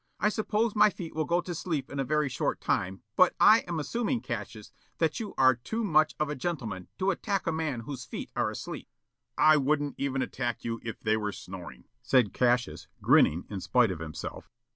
"I suppose my feet will go to sleep in a very short time, but I am assuming, Cassius, that you are too much of a gentleman to attack a man whose feet are asleep." "I wouldn't even attack you if they were snoring," said Cassius, grinning in spite of himself.